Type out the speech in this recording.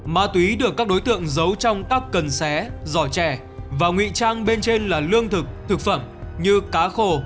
ma túy được các đối tượng giấu trong các cần xé giỏ chè và ngụy trang bên trên là lương thực thực phẩm như cá khô